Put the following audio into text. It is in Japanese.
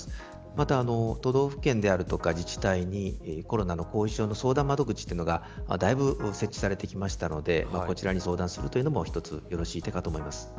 また、都道府県や自治体にコロナの後遺症の相談窓口というのがだいぶ設置されてきましたのでこちらに相談するのも一つよろしい手かと思います。